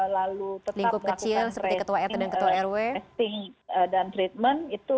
lalu tetap melakukan testing dan treatment